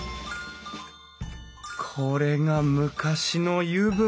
これが昔の湯船。